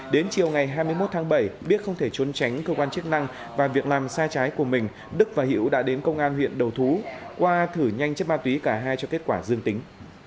đến chiều ngày hai mươi một tháng bảy biết không thể trốn tránh cơ quan chức năng và việc làm sai trái của mình đức và hữu đã đến công an huyện đầu thú qua thử nhanh chất ma túy cả hai cho kết quả dương tính